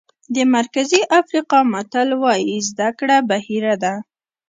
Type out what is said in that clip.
د مرکزي افریقا متل وایي زده کړه بحیره ده.